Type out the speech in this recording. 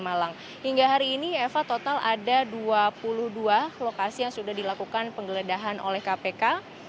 malang hingga hari ini eva total ada dua puluh dua lokasi yang sudah dilakukan penggeledahan oleh kpk